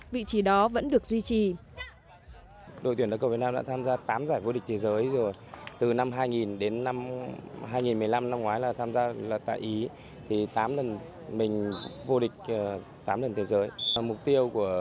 vị trí đó vẫn được duy trì